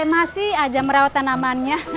masih aja merawat tanamannya